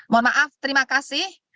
mohon maaf terima kasih